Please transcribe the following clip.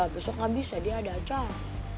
besok gak bisa dia ada acar